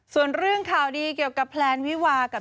ส่วนเรื่องข่าวดีเกี่ยวกับแพลนวิวากับ